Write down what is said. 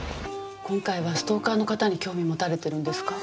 今回はストーカーの方に興味持たれてるんですか？